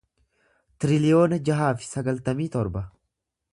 tiriliyoona jaha fi sagaltamii torba